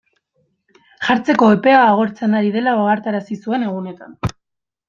Jartzeko epea agortzen ari dela ohartarazi zuen egunetan.